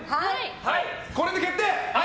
これで決定。